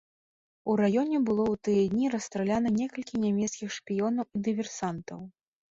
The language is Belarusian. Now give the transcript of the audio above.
У раёне было ў тыя дні расстраляна некалькі нямецкіх шпіёнаў і дыверсантаў.